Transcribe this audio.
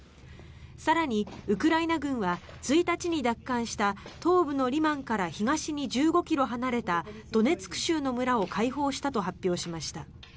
更に、ウクライナ軍は１日に奪還した東部のリマンから東に１５ｋｍ離れたドネツク州の村を解放したと発表しました。